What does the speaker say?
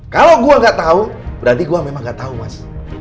kalau gue gak tahu berarti gue memang gak tahu mas